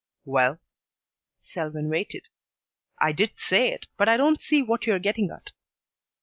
"Well " Selwyn waited. "I did say it, but I don't see what you're getting at."